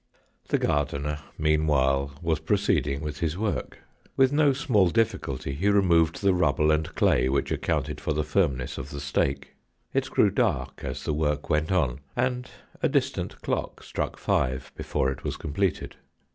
The gardener, meanwhile, was proceeding with his work. With no small difficulty he removed the rubble and clay which accounted for the firmness of the stake. It grew dark as the work went on, and a distant clock struck five before it was completed.